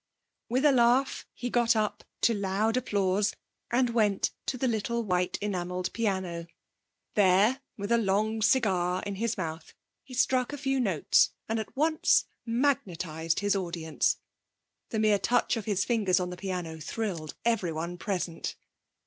With a laugh he got up, to loud applause, and went to the little white enamelled piano. There, with a long cigar in his mouth, he struck a few notes, and at once magnetised his audience. The mere touch of his fingers on the piano thrilled everyone present.